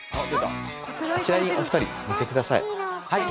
あちらにお二人寝て下さい。